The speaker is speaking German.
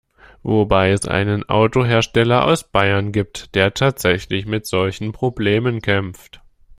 Wobei es einen Autohersteller aus Bayern gibt, der tatsächlich mit solchen Problemen kämpft.